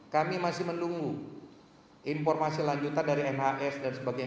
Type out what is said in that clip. kami masih menunggu informasi lanjutan dari nhs dan sebagainya